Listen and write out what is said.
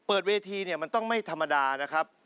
เปิดเวทีเนี่ยมันต้องไม่ธรรมดานะครับ